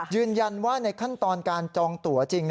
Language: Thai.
ยืนยันว่าในขั้นตอนการจองตัวจริง